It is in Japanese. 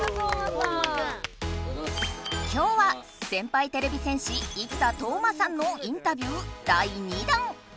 今日は先輩てれび戦士生田斗真さんのインタビュー第２弾。